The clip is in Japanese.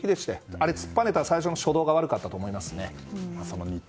あれ、突っぱねた最初の初動が悪かったと思いますね。